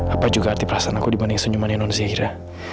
apa juga arti perasaan aku dibanding senyuman nonzaira